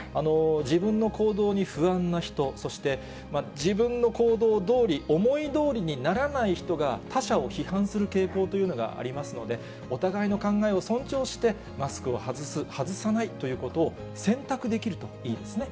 自分の行動に不安な人、そして自分の行動どおり、思いどおりにならない人が他者を批判する傾向というのがありますので、お互いの考えを尊重して、マスクを外す、外さないということを選択できるといいですね。